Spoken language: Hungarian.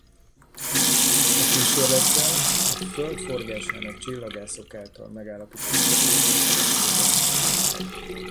A kísérlettel a Föld forgásának csillagászok által megállapított kerületi sebessége kimutatható.